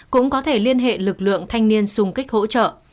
cũng có thể liên hệ lực lượng thanh niên xung kích hỗ trợ